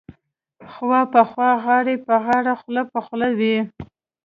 خوا په خوا غاړه په غاړه خوله په خوله وې.